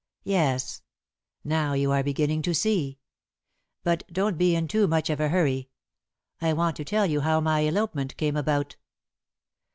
"Yes. Now you are beginning to see. But don't be in too much of a hurry. I want to tell you how my elopement came about."